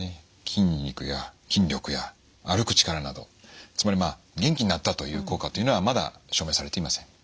筋肉や筋力や歩く力などつまりまあ元気になったという効果っていうのはまだ証明されていません。